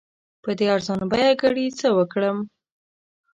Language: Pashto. په دې ارزان بیه ګړي څه وکړم؟